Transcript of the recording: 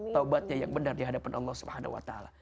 taubatnya yang benar dihadapan allah swt